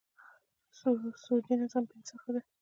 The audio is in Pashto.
سودي نظام بېانصافه دی.